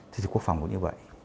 thế thì quốc phòng cũng như vậy